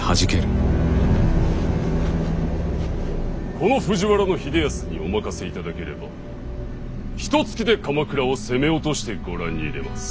この藤原秀康にお任せいただければひとつきで鎌倉を攻め落としてご覧に入れます。